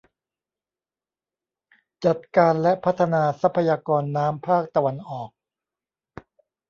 จัดการและพัฒนาทรัพยากรน้ำภาคตะวันออก